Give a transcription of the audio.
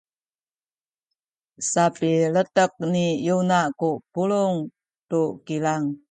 sapiletek ni Yona ku pulung tu kilang.